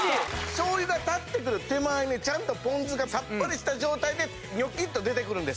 醤油が立ってくる手前にちゃんとポン酢がさっぱりした状態でニョキッと出てくるんです。